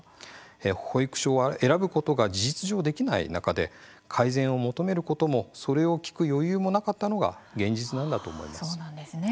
保育所を選ぶことが事実上できない中で改善を求めることもそれを聞く余裕もなかったのが現実なんだと思います。